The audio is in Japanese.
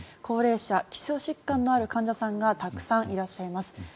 高齢者基礎疾患のある患者さんがたくさんいらっしゃいます